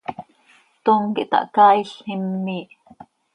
Tom quih tahcaail, him miih.